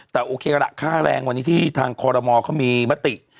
แต่โอเคละค่าแรงวันนี้ที่ทางคอรมอเขามีมติ